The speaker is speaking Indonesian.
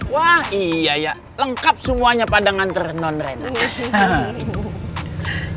wah iya ya lengkap semuanya pada nganter nonrena